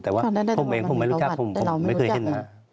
แต่ว่าผมเองผมไม่รู้จักผมผมไม่เคยเห็นหน้า